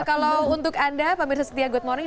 kalau untuk anda pemirsa setia good morning